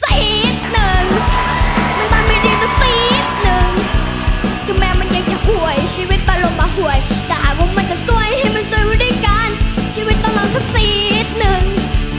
ซีนหนึ่งมันต้องไปดีตรงซีนหนึ่ง